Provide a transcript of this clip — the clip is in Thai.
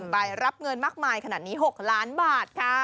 ไปรับเงินมากมายขนาดนี้๖ล้านบาทค่ะ